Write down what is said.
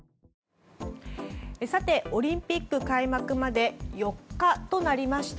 さてオリンピック開幕まで４日となりました。